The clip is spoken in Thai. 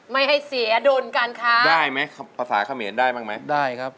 ไม่ให้เสียดุลการค้าได้ไหมภาษาเขมรได้บ้างไหมได้ครับ